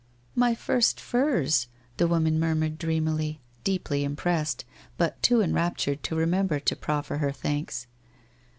' My first furs !' the woman murmured dreamily, deeply impressed, but too enraptured to remember to proffer her thanks.